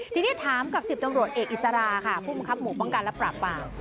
ทีนี้ถามกับ๑๐ตำรวจเอกอิสราค่ะผู้บังคับหมู่ป้องกันและปราบปราม